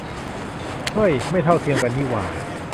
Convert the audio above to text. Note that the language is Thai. เฮ่ย ไม่เท่าเทียมกันนี่หว่า